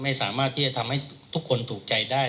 ไม่สามารถที่จะทำให้ทุกคนถูกใจได้